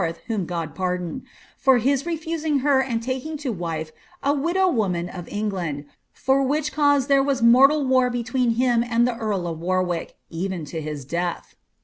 whom God pardon), for refusing her and taking to wife a widow woman of England, for ich cause there was mortal war between him and the earl of War^ k, even to his death."